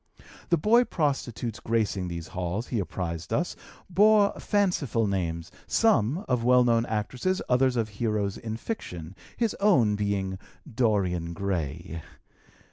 The boy prostitutes gracing these halls, he apprised us, bore fanciful names, some of well known actresses, others of heroes in fiction, his own being Dorian Gray.